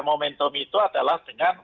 momentum itu adalah dengan